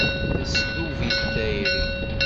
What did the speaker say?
Tesdub-it tayri.